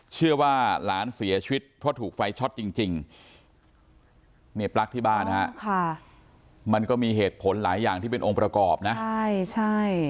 เชื่อว่าหลานเสียชีวิตเพราะถูกไฟช็อตจริงเนี่ยปลั๊กที่บ้านฮะค่ะมันก็มีเหตุผลหลายอย่างที่เป็นองค์ประกอบนะใช่ใช่